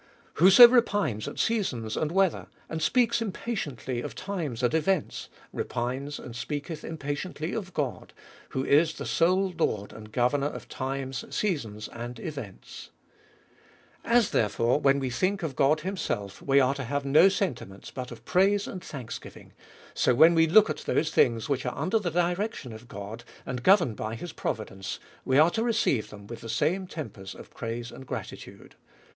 Whoso repines at seasons and weather, and speaks impatiently of times and events, repines and speaketh impatiently of God, who is the sole Lord and Governor of times, seasons, and events. As therefore, when we think of God himself, we are to have no sen timents but of praise and thanksgiving; so when we look at those things which are under the direction of God, and governed by his providence, we are to re DETOUT AND HOLY LIFB. 317 ceive them with the same tempers of praise and gra titude.